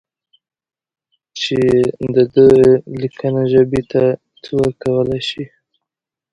چې د ده لیکنه ژبې ته څه ورکولای شي.